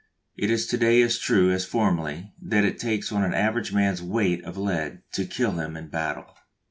It is to day as true as formerly that it takes on the average a man's weight of lead to kill him in battle.